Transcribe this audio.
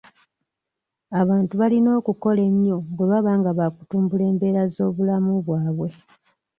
Abantu balina okukola ennyo bwe baba nga baakutumbula embeera z'obulamu bwabwe.